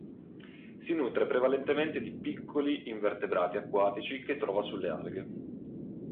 Si nutre prevalentemente di piccoli invertebrati acquatici che trova sulle alghe.